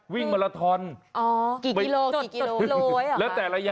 วิ่งมาลาทอนอ๋อกี่กิโลกิโลกิโลกิโลกิโลแล้วแต่ระยะอ๋อ